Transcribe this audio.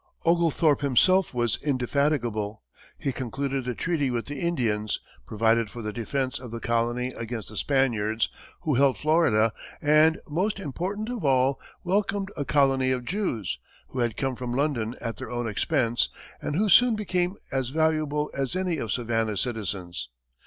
Oglethorpe himself was indefatigable. He concluded a treaty with the Indians, provided for the defense of the colony against the Spaniards, who held Florida, and, most important of all, welcomed a colony of Jews, who had come from London at their own expense, and who soon became as valuable as any of Savannah's citizens.